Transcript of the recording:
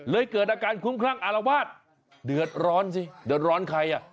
เกิดอาการคุ้มคลั่งอารวาสเดือดร้อนสิเดือดร้อนใครอ่ะ